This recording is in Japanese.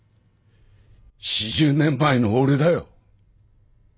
４０年前の俺だよ。